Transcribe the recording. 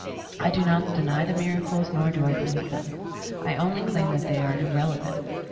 I do not deny the miracles nor do I believe them ; I only claim that they are irrelevant.